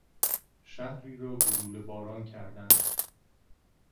شهری را گلوله باران کردن